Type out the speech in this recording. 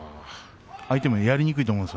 相手もやりにくいと思います。